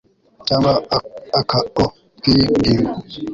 cyangwa aka o tw iyi ngingo